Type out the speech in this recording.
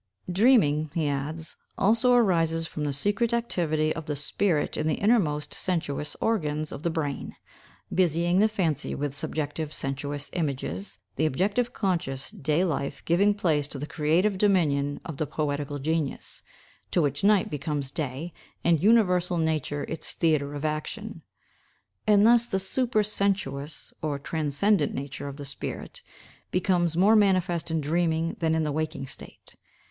Dreaming," he adds, "also arises from the secret activity of the spirit in the innermost sensuous organs of the brain, busying the fancy with subjective sensuous images, the objective conscious day life giving place to the creative dominion of the poetical genius, to which night becomes day, and universal nature its theatre of action; and thus the super sensuous or transcendent nature of the spirit becomes more manifest in dreaming than in the waking state.